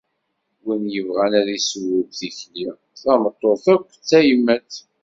Wi bɣan ad iṣewweb tikli, tameṭṭut akk d tayemmat.